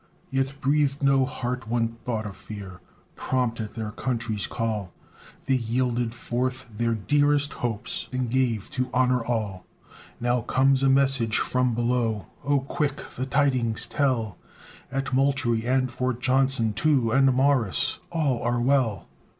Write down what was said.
Yet breathed no heart one thought of fear, Prompt at their country's call, They yielded forth their dearest hopes, And gave to honor all! Now comes a message from below Oh! quick the tidings tell "At Moultrie and Fort Johnson, too, And Morris', all are well!"